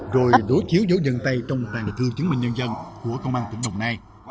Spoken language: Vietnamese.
rồi đối chiếu dấu dường tay trong toàn bộ thư chứng minh nhân dân của công an tỉnh đồng nai